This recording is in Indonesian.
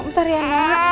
bentar ya nak